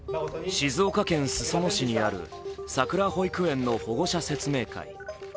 静岡県裾野市にあるさくら保育園の保護者説明会。